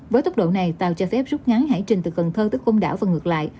với tốc độ này tàu cho phép rút ngắn hải trình từ cần thơ tới công đảo và ngược lại